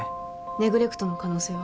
ネグレクトの可能性は？